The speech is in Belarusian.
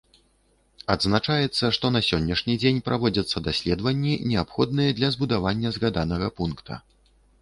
Адзначаецца, што на сённяшні дзень праводзяцца даследаванні, неабходныя для збудавання згаданага пункта.